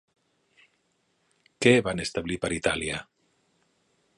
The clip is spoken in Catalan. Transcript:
Què van establir per Itàlia?